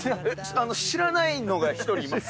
知らないのが１人います。